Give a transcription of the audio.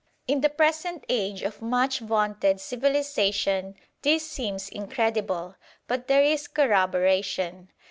In the present age of much vaunted civilisation this seems incredible, but there is corroboration.